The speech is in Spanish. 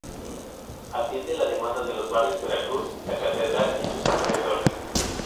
Atiende la demanda de los barrios Veracruz, La Catedral y sus alrededores.